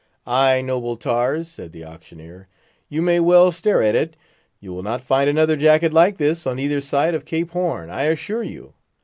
"Ay, noble tars," said the auctioneer, "you may well stare at it; you will not find another jacket like this on either side of Cape Horn, I assure you.